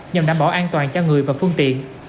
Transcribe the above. nhằm đảm bảo an toàn cho người và phương tiện